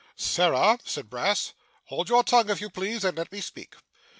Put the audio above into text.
'Sarah,' said Brass, 'hold your tongue if you please, and let me speak.